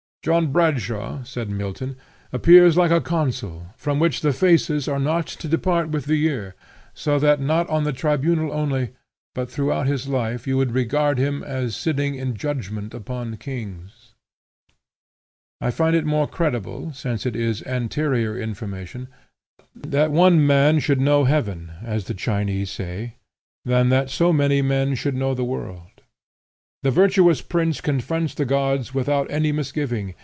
"John Bradshaw," says Milton, "appears like a consul, from whom the fasces are not to depart with the year; so that not on the tribunal only, but throughout his life, you would regard him as sitting in judgment upon kings." I find it more credible, since it is anterior information, that one man should know heaven, as the Chinese say, than that so many men should know the world. "The virtuous prince confronts the gods, without any misgiving.